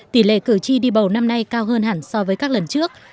tỷ lệ cử tri đi bầu năm nay cao hơn hẳn so với các lần trước